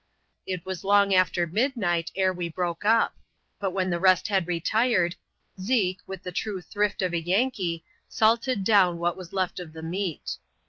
It was long after midnight ere we broke up ; but when the rest had retired, Zeke, with the true thrift of a Yankee, salted down what was left of the meat.